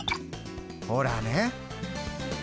ほらね！